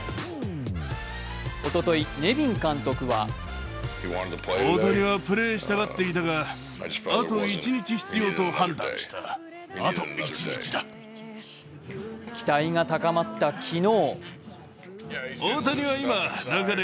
おととい、ネビン監督は期待が高まった昨日。